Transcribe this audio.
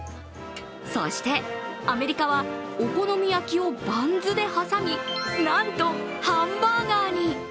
そして、アメリカはお好み焼きをバンズで挟み、なんとハンバーガーに。